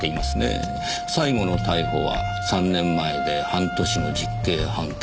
最後の逮捕は３年前で半年の実刑判決。